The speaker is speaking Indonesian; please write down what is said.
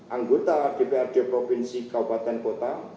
anggota dprd provinsi kabupaten kota